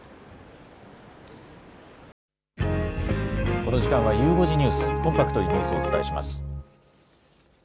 この時間はゆう５時ニュース、コンパクトにニュースをお伝えします。